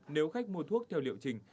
nếu khách mua thuốc theo liệu trình